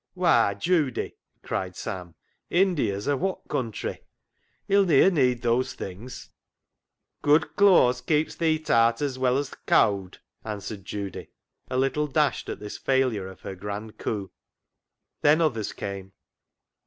" Why, Judy," cried Sam, " India's a whot country ; he'll ne'er need them things." " Good cloas keeps th' heat aat as well as t' cowd," answered Judy, a little dashed at this failure of her grand coup. Then others came.